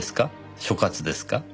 所轄ですか？